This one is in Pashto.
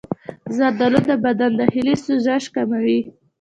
زردآلو د بدن داخلي سوزش کموي.